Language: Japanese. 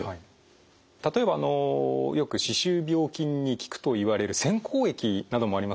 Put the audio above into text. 例えばよく歯周病菌に効くといわれる洗口液などもありますよね。